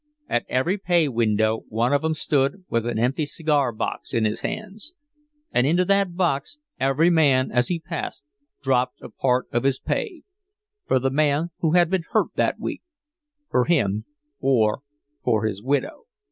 At every pay window one of 'em stood with an empty cigar box in his hands and into that box every man as he passed dropped a part of his pay for the man who had been hurt that week for him or for his widow.